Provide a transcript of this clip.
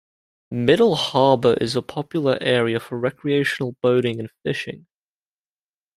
Middle Harbour is a popular area for recreational boating and fishing.